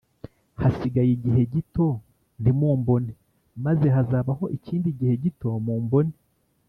“hasigaye igihe gito ntimumbone, maze hazabaho ikindi gihe gito mumbone